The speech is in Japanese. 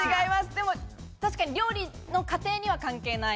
でも確かに料理の過程には関係ない。